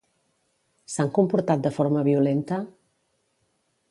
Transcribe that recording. S'han comportat de forma violenta?